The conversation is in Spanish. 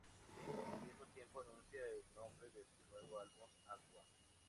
Al mismo tiempo anuncia el nombre de su nuevo álbum, "Aqua".